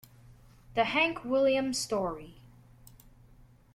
The Hank Williams Story.